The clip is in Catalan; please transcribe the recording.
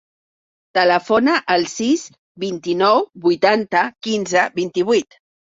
Telefona al sis, vint-i-nou, vuitanta, quinze, vint-i-vuit.